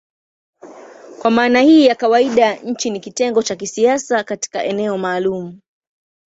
Kwa maana hii ya kawaida nchi ni kitengo cha kisiasa katika eneo maalumu.